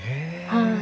はい。